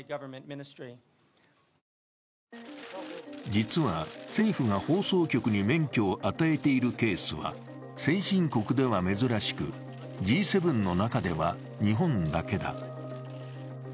実は政府が放送局に免許を与えているケースは先進国では珍しく、Ｇ７の中では日本だけだ。